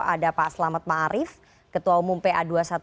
ada pak aslamat ma'arif ketua umum pa dua ratus dua belas